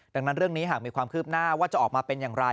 ดังนั้นเรื่องนี้หากมีความคืบหน้าว่าจะออกมาเป็นอย่างไร